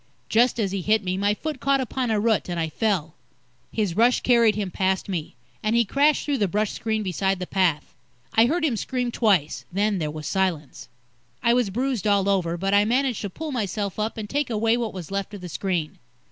Just as he hit me, my foot caught upon a root, and I fell. His rush carried him past me, and he crashed through the brush screen beside the path. I heard him scream twice, then there was silence. I was bruised all over, but I managed to pull myself up and take away what was left of the screen.